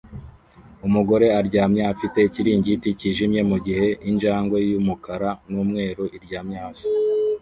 Umugore aryamye afite ikiringiti cyijimye mugihe injangwe yumukara numweru iryamye hasi